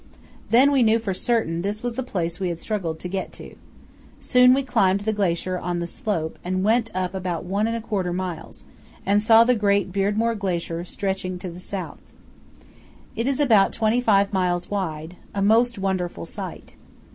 Then we knew for certain this was the place we had struggled to get to. So we climbed the glacier on the slope and went up about one and a quarter miles, and saw the great Beardmore Glacier stretching to the south. It is about twenty five miles wide—a most wonderful sight.